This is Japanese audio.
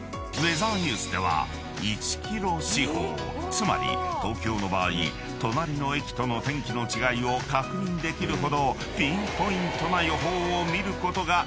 ［つまり東京の場合隣の駅との天気の違いを確認できるほどピンポイントな予報を見ることができるのだ］